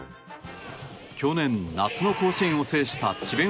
去年、夏の甲子園を制した智弁